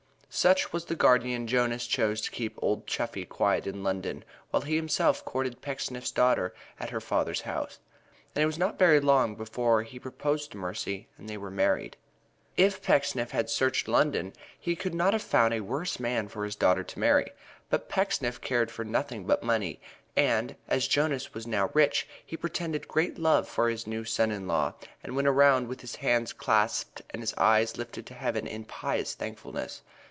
Such was the guardian Jonas chose to keep old Chuffey quiet in London, while he himself courted Pecksniff's daughter at her father's house. And it was not very long before he proposed to Mercy and they were married. If Pecksniff had searched London he could not have found a worse man for his daughter to marry. But Pecksniff cared for nothing but money, and, as Jonas was now rich, he pretended great love for his new son in law and went around with his hands clasped and his eyes lifted to Heaven in pious thankfulness.